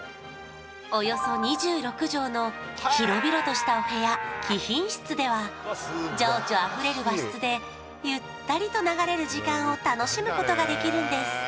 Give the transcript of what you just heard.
およそ２６畳の広々としたお部屋貴賓室では情緒あふれる和室でゆったりと流れる時間を楽しむことができるんです